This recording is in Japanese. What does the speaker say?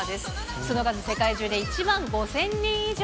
その数世界中で１万５０００人以上。